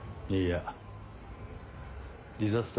いいや。